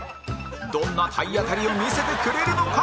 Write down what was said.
どんな体当たりを見せてくれるのか？